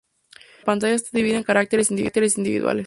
La pantalla está dividida en caracteres individuales.